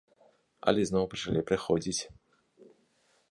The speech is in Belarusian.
Але зноў пачалі прыходзіць.